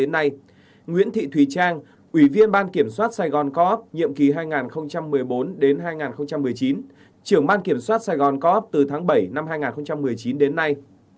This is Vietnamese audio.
nguyễn thị thùy trang ủy viên ban kiểm soát saigon co op nhiệm ký hai nghìn một mươi bốn đến hai nghìn một mươi chín trưởng ban kiểm soát saigon co op từ tháng bảy năm hai nghìn một mươi chín đến nay